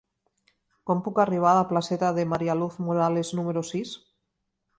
Com puc arribar a la placeta de María Luz Morales número sis?